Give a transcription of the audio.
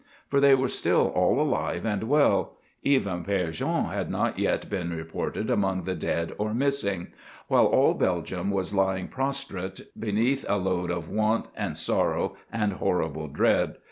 For they were still all alive and well; even Père Jean had not yet been reported among the dead or missing; while all Belgium was lying prostrate beneath a load of want and sorrow and horrible dread.